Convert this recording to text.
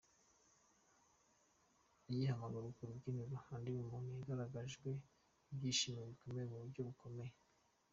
Agihamagarwa ku rubyiniro, Andy Bumuntu yagaragarijwe ibyishimo bikomeye ku buryo bukomeye.